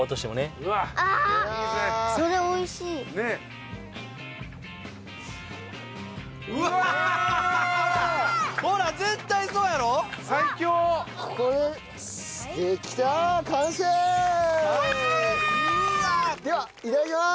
うわあ！ではいただきます。